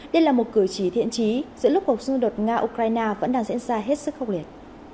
đây là một cử chỉ thiện trí giữa lúc cuộc xung đột nga ukraine vẫn đang diễn ra hết sức khốc liệt